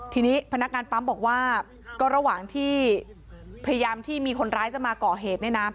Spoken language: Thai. ทีนี้พนักงานปั๊มบอกว่าก็ระหว่างที่พยายามที่มีคนร้ายจะมาก่อเหตุเนี่ยนะ